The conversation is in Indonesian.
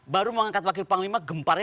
baru mau angkat wakil panglima gemparnya